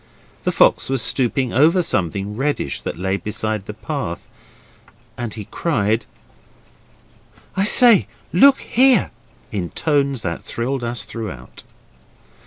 The fox was stooping over something reddish that lay beside the path, and he cried 'I say, look here!' in tones that thrilled us throughout.